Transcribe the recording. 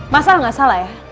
masalah gak salah ya